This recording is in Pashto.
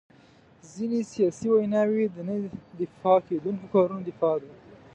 ځینې سیاسي ویناوي د نه دفاع کېدونکو کارونو دفاع ده.